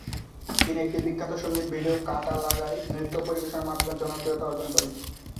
তিনি একটি বিখ্যাত সঙ্গীত ভিডিও "কাঁটা লাগা"য় নৃত্য পরিবেশনের মাধ্যমে জনপ্রিয়তা অর্জন করেন।